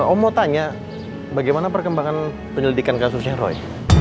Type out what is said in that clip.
oh mau tanya bagaimana perkembangan penyelidikan kasusnya roy